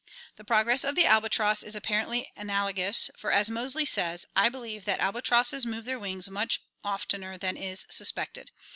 The progress of the albatross is apparently analogous, for, as Moseley says, "I believe that albatrosses move their wings much oftener than is suspected.